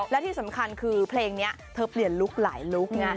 และที่สำคัญคือเพลงนี้เธอเปลี่ยนลุคหลายลุคไง